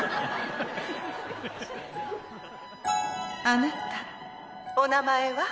あなたお名前は？